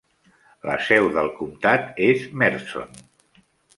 La seu del comtat és Mertzon.